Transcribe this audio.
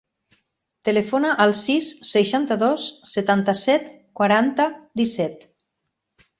Telefona al sis, seixanta-dos, setanta-set, quaranta, disset.